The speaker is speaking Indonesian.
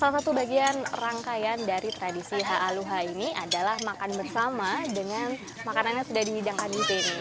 salah satu bagian rangkaian dari tradisi ⁇ aaluha ini adalah makan bersama dengan makanan yang sudah dihidangkan di sini